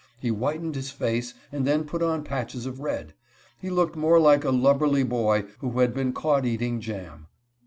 He whitened his face, and then put on patches of red. He looked more like a lubberly boy, who had been caught eating jam.